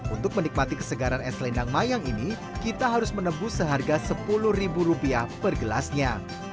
untuk menikmati kesegaran es selendang mayang ini kita harus menebus seharga sepuluh ribu rupiah per gelasnya